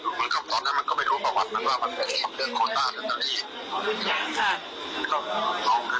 มันมาหาพี่แล้วมันก็ไปรู้ประวัติว่ามันเลือกโคต่าเสียงจากไหน